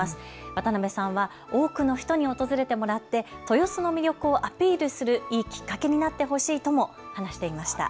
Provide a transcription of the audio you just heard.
渡辺さんは多くの人に訪れてもらって豊洲の魅力をアピールするいいきっかけになってほしいとも話していました。